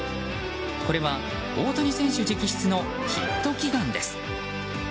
これは、大谷選手直筆のヒット祈願です。